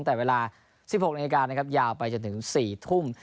แต่เวลา๑๖นาทียาวไปจนถึง๔ทุ่ม